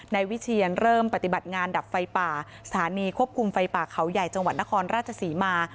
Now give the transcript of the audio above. นายวิเชียนเริ่มปฏิบัติงานดับไฟป่าสถานีควบคุมไฟป่าเขาใหญ่จังหวัดนครราชศรีมา